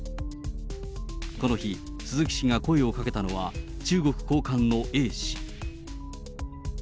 この日、鈴木氏が声をかけたのは中国高官のＡ氏。